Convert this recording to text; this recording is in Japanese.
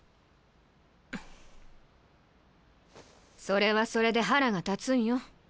それはそれで腹が立つんよ。